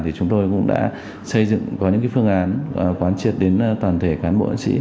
thì chúng tôi cũng đã xây dựng có những phương án quán triệt đến toàn thể cán bộ sĩ